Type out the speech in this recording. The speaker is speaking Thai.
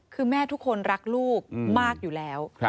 คือแม่ทุกคนรักลูกมากอยู่แล้ว